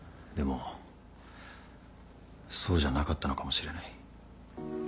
でもそうじゃなかったのかもしれない